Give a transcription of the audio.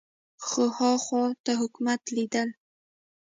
خو ها خوا ته حکومت لیدل